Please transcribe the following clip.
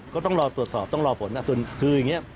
ก็ต้องรอตรวจสอบต้องรอผลคืออย่างนี้